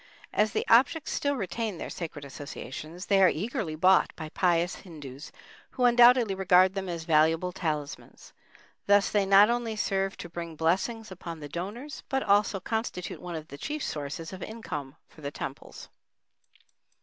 As the objects still retain their sacred associations, they are eagerly bought by pious Hindus, who undoubtedly regard them as valuable talismans. Thus they not only serve to bring blessings upon the donors, but also constitute one of the chief sources of income for the temples.